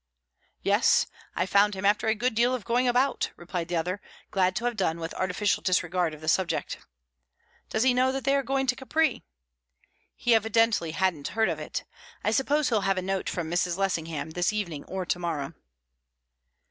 "Yes; I found him after a good deal of going about," replied the other, glad to have done with artificial disregard of the subject. "Does he know that they are going to Capri!" "He evidently hadn't heard of it. I suppose he'll have a note from Mrs. Lessingham this evening or to morrow."